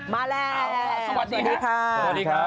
มาแลน่กันสวัสดีค่ะ